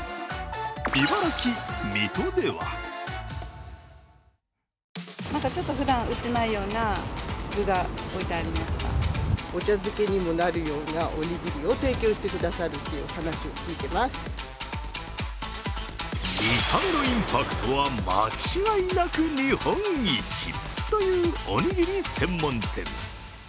茨城・水戸では見た目のインパクトは間違いなく日本一！というおにぎり専門店。